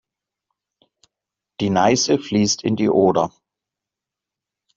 Die Neiße fließt in die Oder.